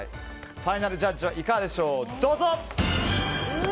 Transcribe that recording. ファイナルジャッジはいかがでしょう。